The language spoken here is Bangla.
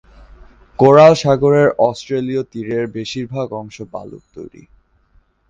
কোরাল সাগরের অস্ট্রেলীয় তীরের বেশিরভাগ অংশ বালুর তৈরি।